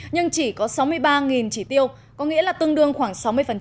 nhưng chỉ có sáu mươi ba chỉ tiêu có nghĩa là tương đương khoảng sáu mươi